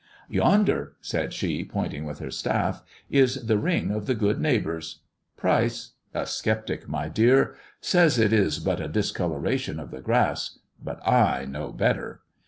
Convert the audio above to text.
" Yonder," said she, pointing with her staff, " is the ring of the good neighbours. Pryce — a sceptic, my dear — says it is but a discoloration of the grass ; but I know better.